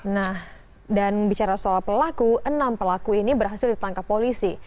nah dan bicara soal pelaku enam pelaku ini berhasil ditangkap polisi